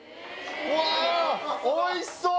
うわあおいしそう！